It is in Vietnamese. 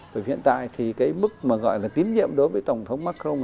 bởi hiện tại thì cái mức mà gọi là tín nhiệm đối với tổng thống macron